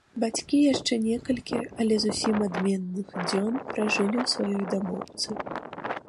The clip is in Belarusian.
Бацькі яшчэ некалькі, але зусім адменных, дзён пражылі ў сваёй дамоўцы.